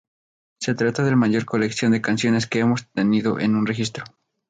Se trata del mayor colección de canciones que hemos tenido en un registro.